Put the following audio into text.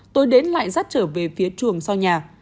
tôi đến lại dắt trở về phía trường sau nhà